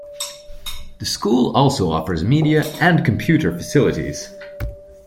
The school also offers media and computer facilities.